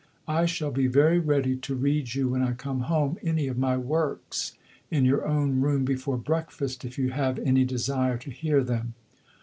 I shall be very ready to read you, when I come home, any of my "Works," in your own room before breakfast, if you have any desire to hear them.